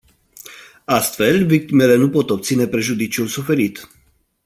Astfel, victimele nu pot obține prejudiciul suferit.